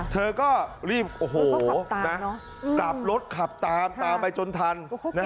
เธอก็รีบโอ้โหกลับรถขับตามตามไปจนทัน